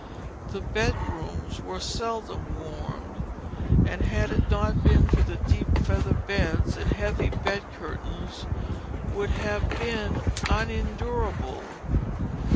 The bedrooms were seldom warmed, and had it not been for the deep feather beds and heavy bed curtains, would have been unendurable.